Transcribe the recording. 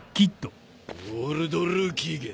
オールドルーキーが！